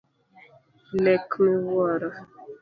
Lek miwuoro.